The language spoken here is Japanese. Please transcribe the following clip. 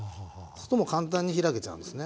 するともう簡単に開けちゃうんですね